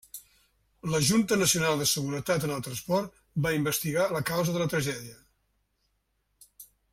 La Junta Nacional de Seguretat en el Transport va investigar la causa de la tragèdia.